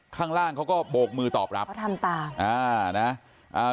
ข้างล่างเขาก็โบกมือตอบรับเขาทำตามอ่านะอ่า